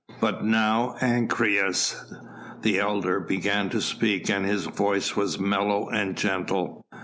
But now Ancyrus, the elder, began to speak and his voice was mellow and gentle.